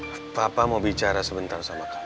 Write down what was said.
apa apa mau bicara sebentar sama kami